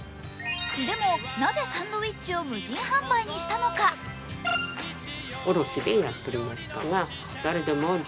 でもなぜサンドイッチを無人販売にしたのか。